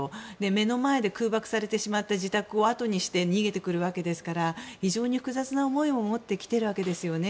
目の前で空爆されてしまった自宅をあとにして逃げてくるわけですから非常に複雑な思いを持って来ているわけですよね。